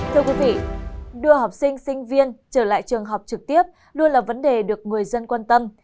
thưa quý vị đưa học sinh sinh viên trở lại trường học trực tiếp luôn là vấn đề được người dân quan tâm